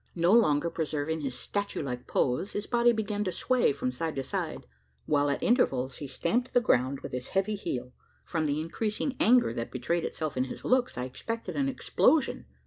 No longer preserving his statue like pose, his body began to sway from side to side; while at intervals, he stamped the ground with his heavy heel. From the increasing anger that betrayed itself in his looks, I expected an explosion.